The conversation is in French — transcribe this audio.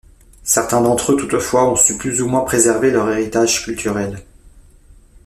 Certains d'entre-eux, toutefois, ont su plus ou moins préserver leur héritage culturel.